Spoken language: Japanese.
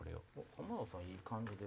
浜田さんいい感じで。